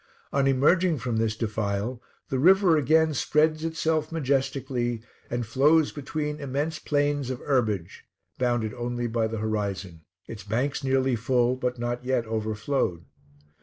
On emerging from this defile, the river again spreads itself majestically, and flows between immense plains of herbage, bounded only by the horizon: its banks nearly full, but not yet overflowed.